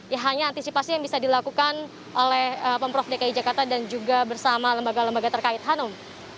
ya hanya antisipasi yang bisa dilakukan oleh pemprov dki jakarta dan juga bersama lembaga lembaga terkait hanum